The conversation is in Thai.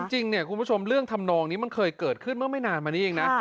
จริงเนี่ยคุณผู้ชมเรื่องทำนองนี้มันเคยเกิดขึ้นเมื่อไม่นานมานี้เองนะ